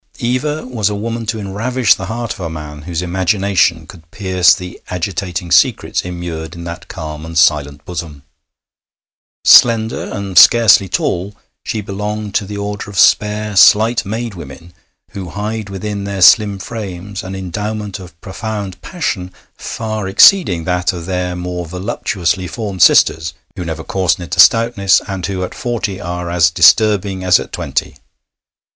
Eva was a woman to enravish the heart of a man whose imagination could pierce the agitating secrets immured in that calm and silent bosom. Slender and scarcely tall, she belonged to the order of spare, slight made women, who hide within their slim frames an endowment of profound passion far exceeding that of their more voluptuously formed sisters, who never coarsen into stoutness, and who at forty are as disturbing as at twenty.